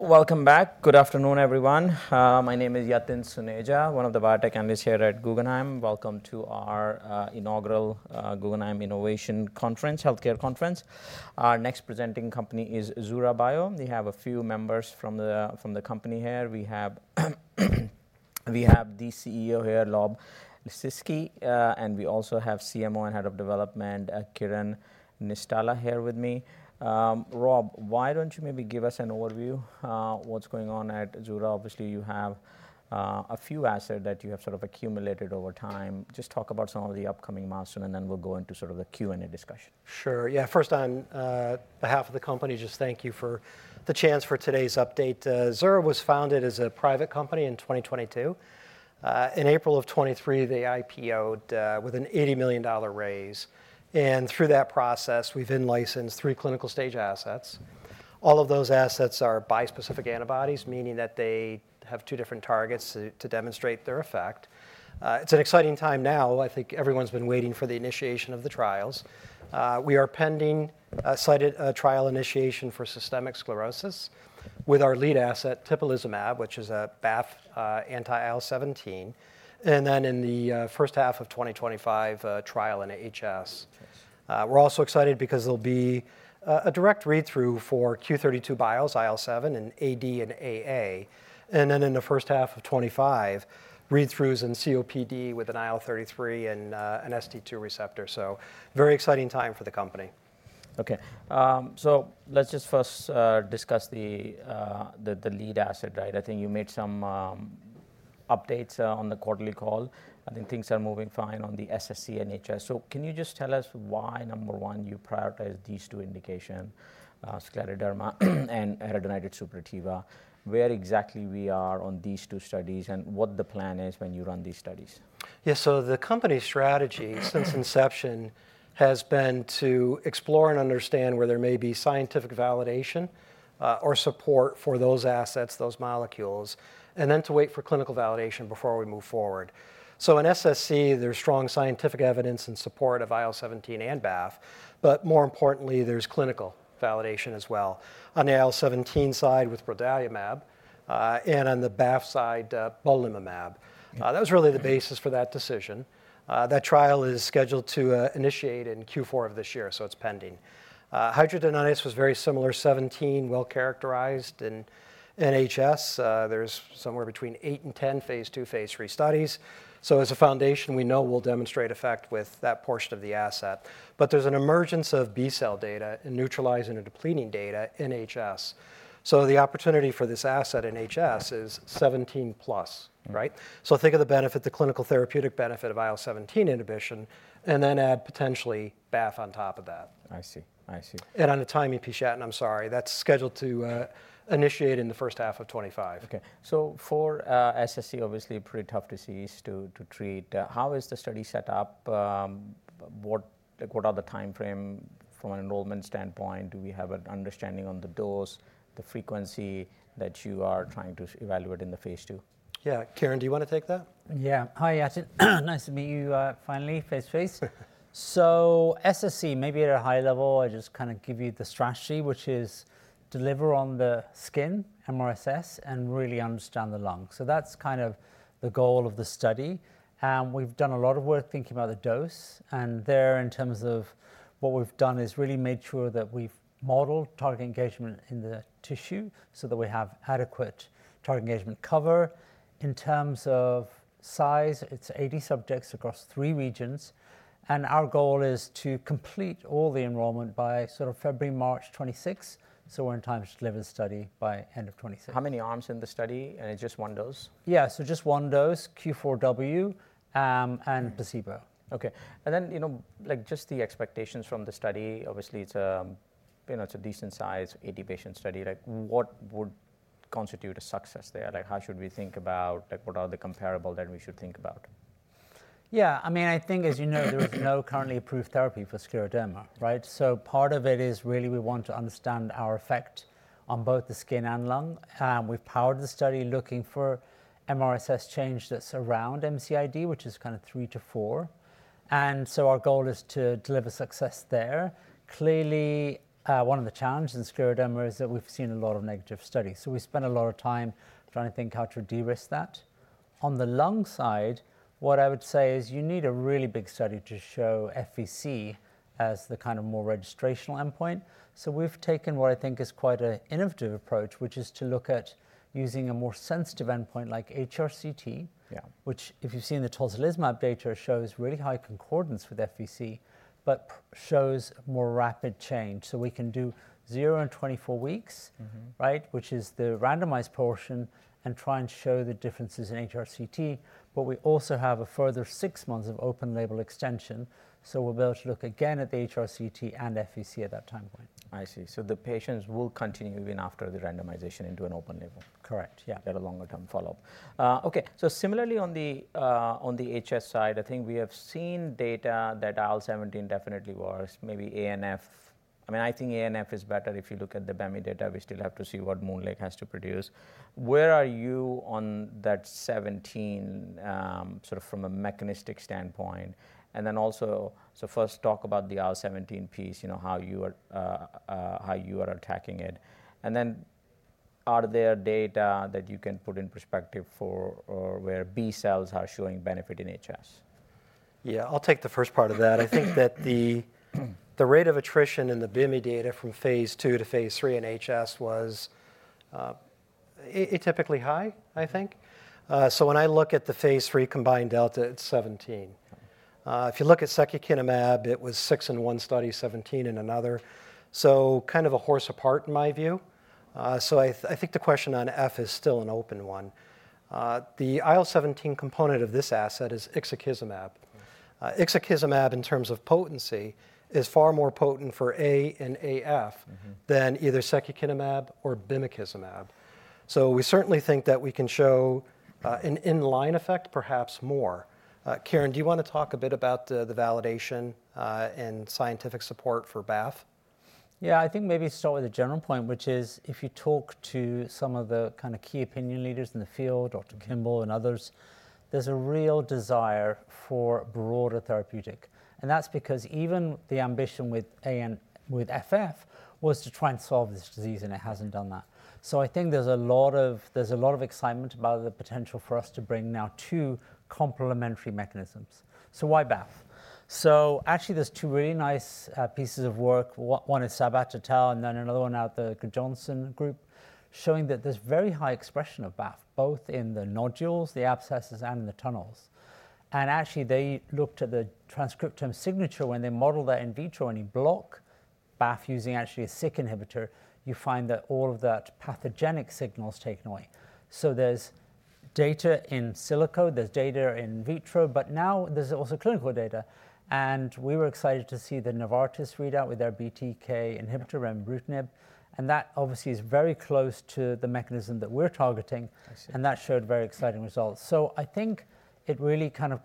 Welcome back. Good afternoon, everyone. My name is Yatin Suneja, one of the biotech analysts here at Guggenheim. Welcome to our inaugural Guggenheim Innovation Conference, Healthcare Conference. Our next presenting company is Zura Bio. We have a few members from the company here. We have the CEO here, Rob Lisicki, and we also have CMO and Head of Development, Kiran Nistala, here with me. Rob, why don't you maybe give us an overview of what's going on at Zura? Obviously, you have a few assets that you have sort of accumulated over time. Just talk about some of the upcoming milestones, and then we'll go into sort of the Q&A discussion. Sure. Yeah, first, on behalf of the company, just thank you for the chance for today's update. Zura was founded as a private company in 2022. In April of 2023, they IPO'd with an $80 million raise. And through that process, we've in-licensed three clinical stage assets. All of those assets are bispecific antibodies, meaning that they have two different targets to demonstrate their effect. It's an exciting time now. I think everyone's been waiting for the initiation of the trials. We are pending a cited trial initiation for systemic sclerosis with our lead asset, tibulizumab, which is a BAFF anti-IL-17. And then in the first half of 2025, a trial in HS. We're also excited because there'll be a direct read-through for Q32 Bio's IL-7, and AD and AA. And then in the first half of 2025, read-throughs in COPD with an IL-33 and an ST2 receptor. Very exciting time for the company. Okay. So let's just first discuss the lead asset, right? I think you made some updates on the quarterly call. I think things are moving fine on the SSC and HS. So can you just tell us why, number one, you prioritize these two indications, scleroderma and hidradenitis suppurativa, where exactly we are on these two studies and what the plan is when you run these studies? Yeah, so the company's strategy since inception has been to explore and understand where there may be scientific validation or support for those assets, those molecules, and then to wait for clinical validation before we move forward. So in SSC, there's strong scientific evidence in support of IL-17 and BAFF, but more importantly, there's clinical validation as well on the IL-17 side with brodalumab and on the BAFF side, belimumab. That was really the basis for that decision. That trial is scheduled to initiate in Q4 of this year, so it's pending. Hidradenitis was very similar, IL-17, well characterized in HS. There's somewhere between eight and 10 Phase II, Phase III studies. So as a foundation, we know we'll demonstrate effect with that portion of the asset. But there's an emergence of B-cell data and neutralizing and depleting data in HS. So the opportunity for this asset in HS is '17+, right? So think of the benefit, the clinical therapeutic benefit of IL-17 inhibition, and then add potentially BAFF on top of that. I see. I see. And on a timing piece, I'm sorry, that's scheduled to initiate in the first half of 2025. Okay. So for SSc, obviously, pretty tough disease to treat. How is the study set up? What are the timeframe from an enrollment standpoint? Do we have an understanding on the dose, the frequency that you are trying to evaluate in the Phase II? Yeah. Kiran, do you want to take that? Yeah. Hi, Yatin. Nice to meet you finally, face to face. So SSc, maybe at a high level, I just kind of give you the strategy, which is deliver on the skin, mRSS, and really understand the lungs. So that's kind of the goal of the study. We've done a lot of work thinking about the dose. And there, in terms of what we've done, is really made sure that we've modeled target engagement in the tissue so that we have adequate target engagement cover. In terms of size, it's 80 subjects across three regions. And our goal is to complete all the enrollment by sort of February, March 2026. So we're in time to deliver the study by end of 2026. How many arms in the study? And it's just one dose? Yeah, so just one dose, Q4W, and placebo. Okay. And then just the expectations from the study, obviously, it's a decent-sized 80-patient study. What would constitute a success there? How should we think about what are the comparables that we should think about? Yeah, I mean, I think, as you know, there is no currently approved therapy for scleroderma, right? So part of it is really we want to understand our effect on both the skin and lung. We've powered the study looking for MRSS change that's around MCID, which is kind of three to four. And so our goal is to deliver success there. Clearly, one of the challenges in scleroderma is that we've seen a lot of negative studies. So we spent a lot of time trying to think how to de-risk that. On the lung side, what I would say is you need a really big study to show FVC as the kind of more registrational endpoint. So we've taken what I think is quite an innovative approach, which is to look at using a more sensitive endpoint like HRCT, which, if you've seen the tocilizumab data, shows really high concordance with FVC, but shows more rapid change. So we can do zero in 24 weeks, right, which is the randomized portion, and try and show the differences in HRCT. But we also have a further six months of open-label extension. So we'll be able to look again at the HRCT and FVC at that time point. I see. So the patients will continue even after the randomization into an open label. Correct. Yeah. That are longer-term follow-up. Okay. So similarly on the HS side, I think we have seen data that IL-17 definitely works, maybe BAFF. I mean, I think BAFF is better. If you look at the bimekizumab data, we still have to see what MoonLake has to produce. Where are you on that '17 sort of from a mechanistic standpoint? And then also, so first talk about the IL-17 piece, how you are attacking it. And then are there data that you can put in perspective for where B-cells are showing benefit in HS? Yeah, I'll take the first part of that. I think that the rate of attrition in the bimekizumab data from Phase II to Phase III in HS was atypically high, I think. So when I look at the Phase III combined delta, it's 17%. If you look at secukinumab, it was 6% in one study, 17% in another. So kind of worlds apart, in my view. So I think the question on HS is still an open one. The IL-17 component of this asset is ixekizumab. Ixekizumab, in terms of potency, is far more potent for AD and BAFF than either secukinumab or bimekizumab. So we certainly think that we can show an inline effect, perhaps more. Kiran, do you want to talk a bit about the validation and scientific support for BAFF? Yeah, I think maybe start with a general point, which is if you talk to some of the kind of key opinion leaders in the field, Dr. Kimball and others, there's a real desire for broader therapeutic. And that's because even the ambition with FF was to try and solve this disease, and it hasn't done that. So I think there's a lot of excitement about the potential for us to bring now two complementary mechanisms. So why BAFF? So actually, there's two really nice pieces of work. One is Sabat et al. and then another one out of the Johnston group showing that there's very high expression of BAFF, both in the nodules, the abscesses, and in the tunnels. And actually, they looked at the transcriptome signature when they modeled that in vitro. When you block BAFF using actually a BTK inhibitor, you find that all of that pathogenic signal is taken away, so there's data in silico, there's data in vitro, but now there's also clinical data, and we were excited to see the Novartis readout with their BTK inhibitor, remibrutinib, and that obviously is very close to the mechanism that we're targeting, and that showed very exciting results, so I think it really kind of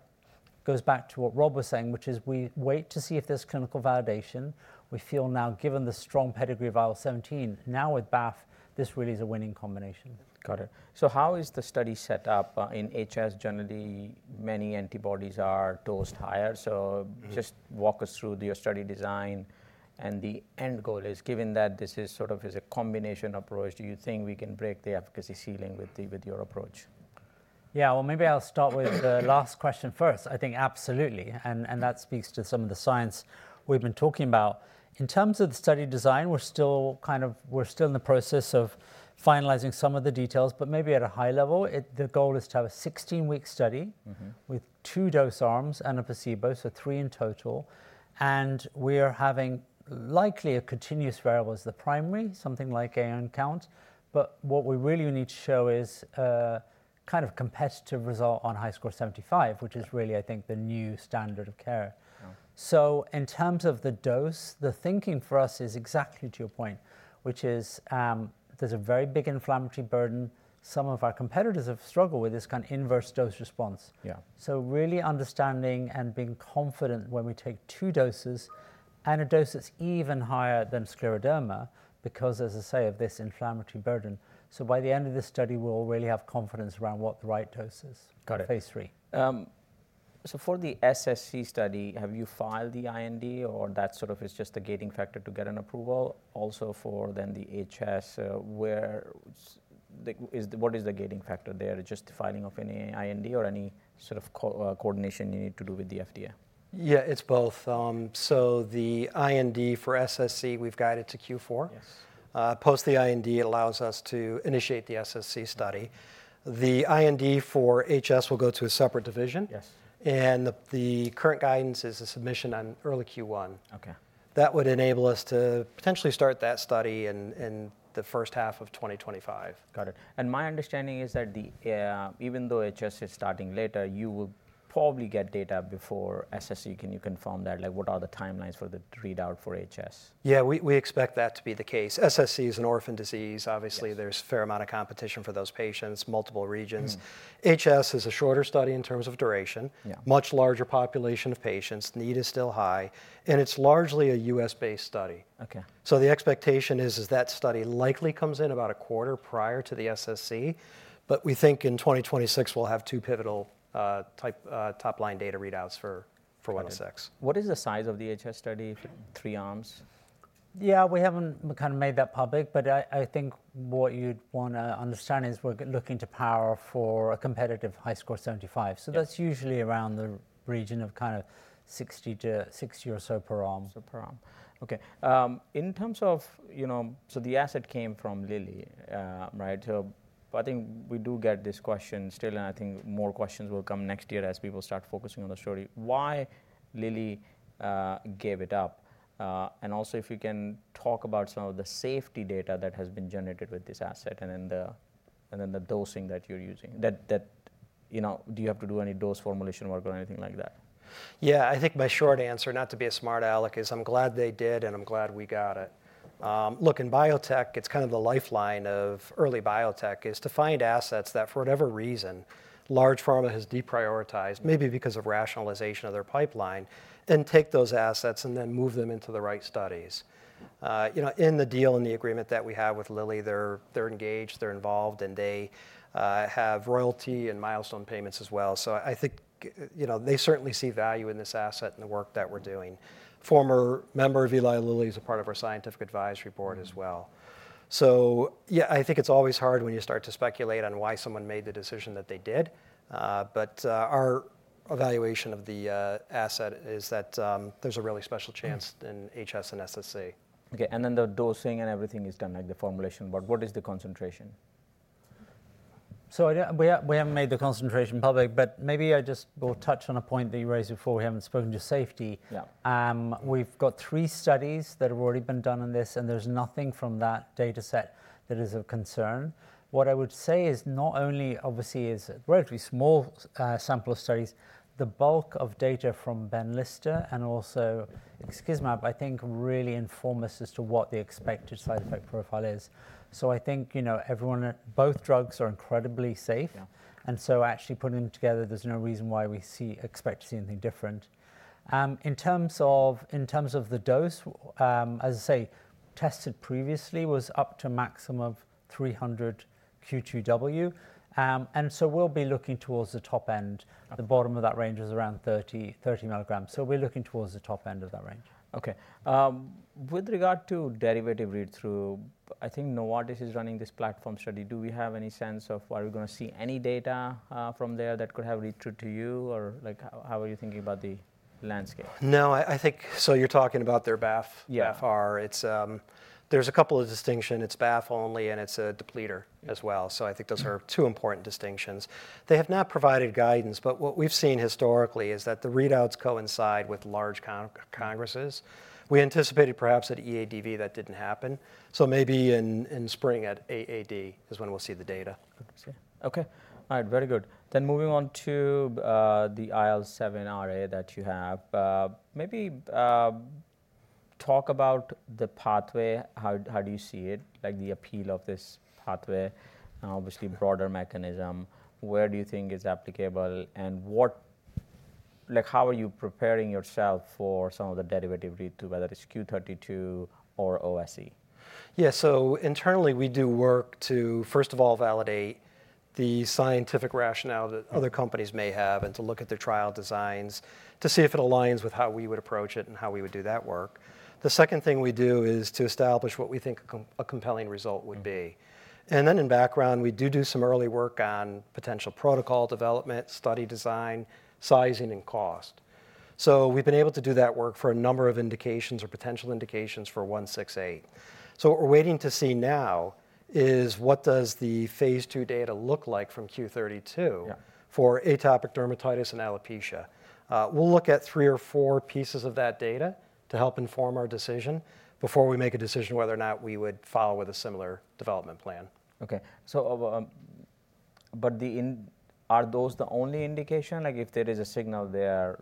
goes back to what Rob was saying, which is we wait to see if there's clinical validation. We feel now, given the strong pedigree of IL-17, now with BAFF, this really is a winning combination. Got it. So how is the study set up in HS? Generally, many antibodies are dosed higher. So just walk us through your study design, and the end goal is, given that this is sort of a combination approach, do you think we can break the efficacy ceiling with your approach? Yeah, well, maybe I'll start with the last question first. I think absolutely. And that speaks to some of the science we've been talking about. In terms of the study design, we're still kind of in the process of finalizing some of the details, but maybe at a high level, the goal is to have a 16-week study with two dose arms and a placebo, so three in total. And we are having likely a continuous variable as the primary, something like AN count. But what we really need to show is kind of competitive result on HiSCR75, which is really, I think, the new standard of care. So in terms of the dose, the thinking for us is exactly to your point, which is there's a very big inflammatory burden. Some of our competitors have struggled with this kind of inverse dose response. So really understanding and being confident when we take two doses and a dose that's even higher than scleroderma because, as I say, of this inflammatory burden. So by the end of this study, we'll really have confidence around what the right dose is, Phase III. So for the SSc study, have you filed the IND, or that sort of is just the gating factor to get an approval? Also for then the HS, what is the gating factor there? Just filing of any IND or any sort of coordination you need to do with the FDA? Yeah, it's both. So the IND for SSc, we've guided to Q4. Post the IND, it allows us to initiate the SSc study. The IND for HS will go to a separate division. And the current guidance is a submission on early Q1. That would enable us to potentially start that study in the first half of 2025. Got it. And my understanding is that even though HS is starting later, you will probably get data before SSC. Can you confirm that? What are the timelines for the readout for HS? Yeah, we expect that to be the case. SSc is an orphan disease. Obviously, there's a fair amount of competition for those patients, multiple regions. HS is a shorter study in terms of duration, much larger population of patients. Need is still high. And it's largely a U.S.-based study. So the expectation is that study likely comes in about a quarter prior to the SSc. But we think in 2026, we'll have two pivotal top-line data readouts for 106. What is the size of the HS study, three arms? Yeah, we haven't kind of made that public, but I think what you'd want to understand is we're looking to power for a competitive HiSCR75. So that's usually around the region of kind of 60 or so per arm. So per arm. Okay. In terms of, so the asset came from Lilly, right, so I think we do get this question still, and I think more questions will come next year as people start focusing on the story. Why Lilly gave it up, and also, if you can talk about some of the safety data that has been generated with this asset and then the dosing that you're using. Do you have to do any dose formulation work or anything like that? Yeah, I think my short answer, not to be a smart aleck, is I'm glad they did, and I'm glad we got it. Look, in biotech, it's kind of the lifeline of early biotech is to find assets that for whatever reason, large pharma has deprioritized, maybe because of rationalization of their pipeline, and take those assets and then move them into the right studies. In the deal and the agreement that we have with Lilly, they're engaged, they're involved, and they have royalty and milestone payments as well. So I think they certainly see value in this asset and the work that we're doing. Former member of Eli Lilly is a part of our scientific advisory board as well. So yeah, I think it's always hard when you start to speculate on why someone made the decision that they did. But our evaluation of the asset is that there's a really special chance in HS and SSc. Okay. And then the dosing and everything is done, like the formulation, but what is the concentration? We haven't made the concentration public, but maybe I just will touch on a point that you raised before. We haven't spoken to safety. We've got three studies that have already been done on this, and there's nothing from that dataset that is of concern. What I would say is not only, obviously, it's a relatively small sample of studies, the bulk of data from Rob Lisicki and also, excuse me, I think really inform us as to what the expected side effect profile is. I think both drugs are incredibly safe. Actually putting them together, there's no reason why we expect to see anything different. In terms of the dose, as I say, tested previously was up to maximum of 300 Q2W. We'll be looking towards the top end. The bottom of that range is around 30 milligrams. We're looking towards the top end of that range. Okay. With regard to de-risking read-through, I think Novartis is running this platform study. Do we have any sense of whether we're going to see any data from there that could have read-through to you, or how are you thinking about the landscape? No, I think you're talking about their BAFF. There's a couple of distinctions. It's BAFF only, and it's a depleter as well. So I think those are two important distinctions. They have not provided guidance, but what we've seen historically is that the readouts coincide with large congresses. We anticipated perhaps at EADV, but that didn't happen. So maybe in spring at AAD is when we'll see the data. Okay. All right, very good. Then moving on to the IL-7RA that you have, maybe talk about the pathway. How do you see it, the appeal of this pathway, obviously broader mechanism? Where do you think it's applicable, and how are you preparing yourself for some of the derivative read-through, whether it's Q32 or OSE? Yeah, so internally, we do work to, first of all, validate the scientific rationale that other companies may have and to look at their trial designs to see if it aligns with how we would approach it and how we would do that work. The second thing we do is to establish what we think a compelling result would be. And then in background, we do do some early work on potential protocol development, study design, sizing, and cost. So we've been able to do that work for a number of indications or potential indications for 168. So what we're waiting to see now is what does the Phase II data look like from Q32 for atopic dermatitis and alopecia. We'll look at three or four pieces of that data to help inform our decision before we make a decision whether or not we would follow with a similar development plan. Okay, but are those the only indication? If there is a signal there,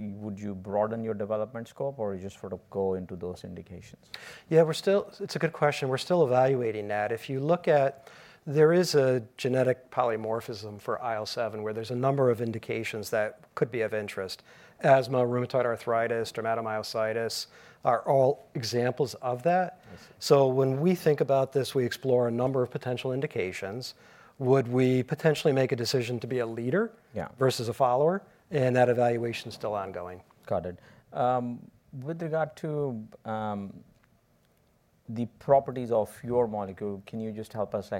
would you broaden your development scope, or you just sort of go into those indications? Yeah, it's a good question. We're still evaluating that. If you look at, there is a genetic polymorphism for IL-7 where there's a number of indications that could be of interest. Asthma, rheumatoid arthritis, dermatomyositis are all examples of that. So when we think about this, we explore a number of potential indications. Would we potentially make a decision to be a leader versus a follower, and that evaluation is still ongoing. Got it. With regard to the properties of your molecule, can you just help us?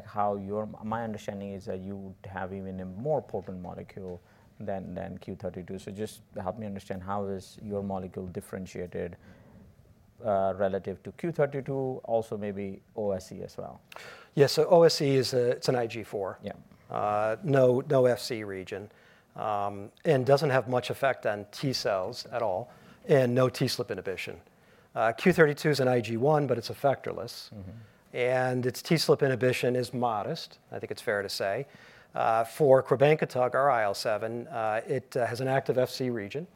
My understanding is that you would have even a more potent molecule than Q32. So just help me understand how is your molecule differentiated relative to Q32, also maybe OSE as well? Yeah, so OSE, it's an IgG4. No Fc region. And doesn't have much effect on T cells at all and no TSLP inhibition. Q32 is an IgG1, but it's effectorless. And its TSLP inhibition is modest, I think it's fair to say. For quibanketug, our IL-7, it has an active Fc region.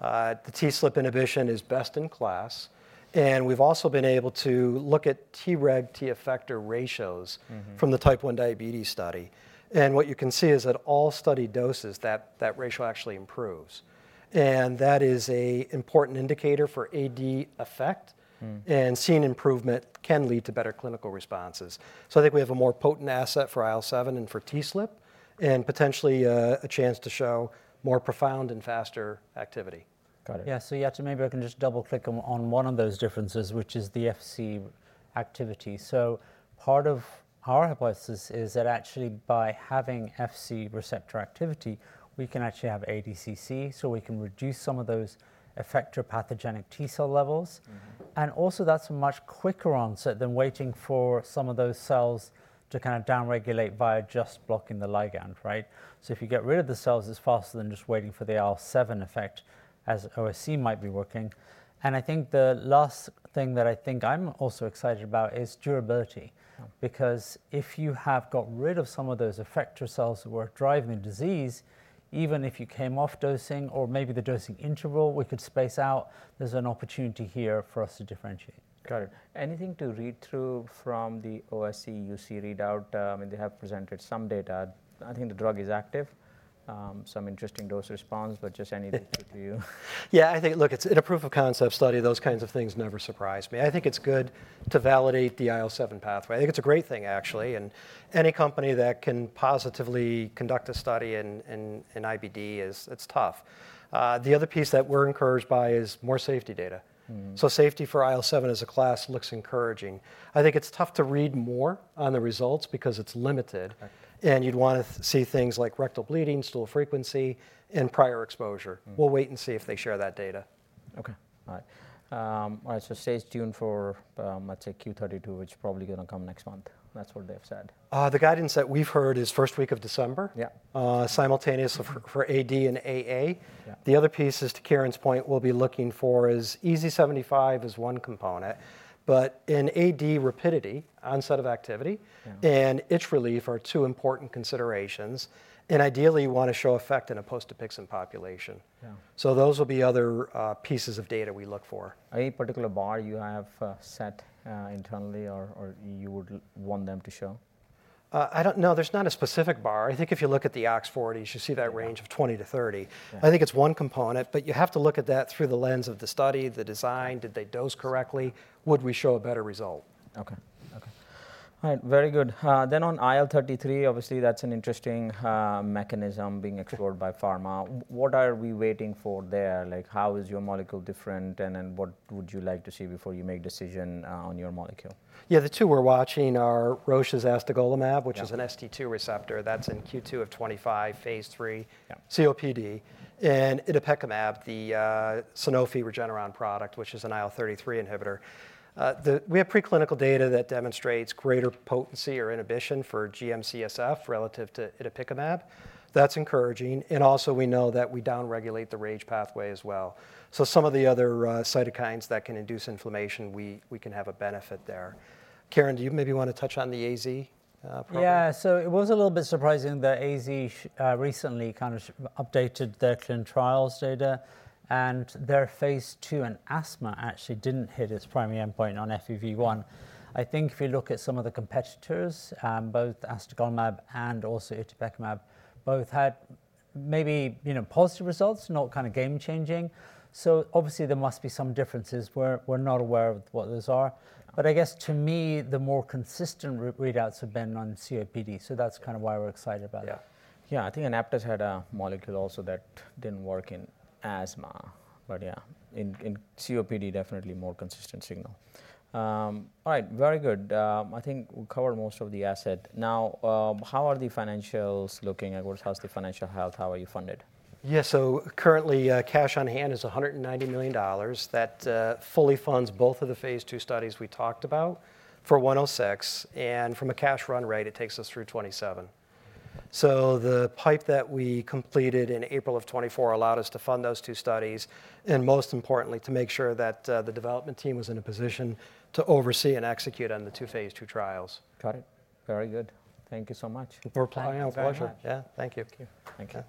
The TSLP inhibition is best in class. And we've also been able to look at Treg, T effector ratios from the type 1 diabetes study. And what you can see is that all study doses, that ratio actually improves. And that is an important indicator for AD effect. And seeing improvement can lead to better clinical responses. So I think we have a more potent asset for IL-7 and for TSLP and potentially a chance to show more profound and faster activity. Got it. Yeah, so yeah, maybe I can just double-click on one of those differences, which is the Fc activity. So part of our hypothesis is that actually by having Fc receptor activity, we can actually have ADCC, so we can reduce some of those effector pathogenic T-cell levels. And also, that's a much quicker onset than waiting for some of those cells to kind of downregulate by just blocking the ligand, right? So if you get rid of the cells, it's faster than just waiting for the IL-7 effect, as OSE might be working. And I think the last thing that I think I'm also excited about is durability. Because if you have got rid of some of those effector cells that were driving the disease, even if you came off dosing or maybe the dosing interval, we could space out, there's an opportunity here for us to differentiate. Got it. Anything to read through from the OSE UC readout? I mean, they have presented some data. I think the drug is active, some interesting dose response, but just anything to you. Yeah, I think, look, it's in a proof of concept study. Those kinds of things never surprise me. I think it's good to validate the IL-7 pathway. I think it's a great thing, actually. And any company that can positively conduct a study in IBD, it's tough. The other piece that we're encouraged by is more safety data. So safety for IL-7 as a class looks encouraging. I think it's tough to read more on the results because it's limited. And you'd want to see things like rectal bleeding, stool frequency, and prior exposure. We'll wait and see if they share that data. Okay. All right, so stay tuned for, let's say, Q32, which is probably going to come next month. That's what they've said. The guidance that we've heard is first week of December, simultaneous for AD and AA. The other piece, as to Kiran's point, we'll be looking for is EASI-75 as one component, but in AD rapidity, onset of activity and itch relief are two important considerations, and ideally, you want to show effect in a post-Dupixent population, so those will be other pieces of data we look for. Any particular bar you have set internally or you would want them to show? I don't know. There's not a specific bar. I think if you look at the AX40, you should see that range of 20 to 30. I think it's one component, but you have to look at that through the lens of the study, the design, did they dose correctly? Would we show a better result? Okay. All right, very good, then on IL-33, obviously, that's an interesting mechanism being explored by pharma. What are we waiting for there? How is your molecule different, and then what would you like to see before you make a decision on your molecule? Yeah, the two we're watching are Roche's astegolimab, which is an ST2 receptor. That's in Q2 of 2025, Phase III, COPD. And itepekimab, the Sanofi Regeneron product, which is an IL-33 inhibitor. We have preclinical data that demonstrates greater potency or inhibition for GM-CSF relative to itepekimab. That's encouraging. And also, we know that we downregulate the RAGE pathway as well. So some of the other cytokines that can induce inflammation, we can have a benefit there. Kiran, do you maybe want to touch on the AZ? Yeah, so it was a little bit surprising that AZ recently kind of updated their clinical trials data. And their Phase II in asthma actually didn't hit its primary endpoint on FEV1. I think if you look at some of the competitors, both astegolimab and also itepekimab, both had maybe positive results, not kind of game-changing. So obviously, there must be some differences. We're not aware of what those are. But I guess to me, the more consistent readouts have been on COPD. So that's kind of why we're excited about it. Yeah. Yeah, I think Anaptys had a molecule also that didn't work in asthma. But yeah, in COPD, definitely more consistent signal. All right, very good. I think we covered most of the asset. Now, how are the financials looking? How's the financial health? How are you funded? Yeah, so currently, cash on hand is $190 million. That fully funds both of the Phase II studies we talked about for 106. And from a cash run rate, it takes us through 2027. So the pipe that we completed in April of 2024 allowed us to fund those two studies. And most importantly, to make sure that the development team was in a position to oversee and execute on the two Phase II trials. Got it. Very good. Thank you so much. We're planning on a pipeline. Yeah, thank you. Thank you.